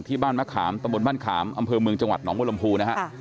ที่บ้านมะขามตะบนบ้านขามอำเภอเมืองจังหวัดหนองวลมพูนะครับ